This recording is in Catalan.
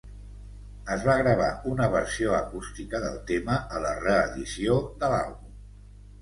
Es va gravar una versió acústica del tema a la reedició de l'àlbum.